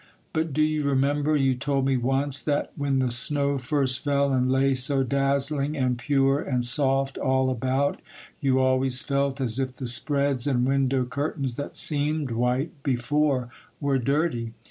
But do you remember you told me once, that, when the snow first fell and lay so dazzling and pure and soft, all about, you always felt as if the spreads and window curtains that seemed white before were dirty?